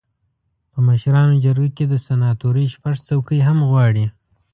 په مشرانو جرګه کې د سناتورۍ شپږ څوکۍ هم غواړي.